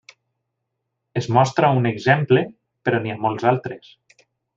Es mostra un exemple, però n'hi ha molts altres.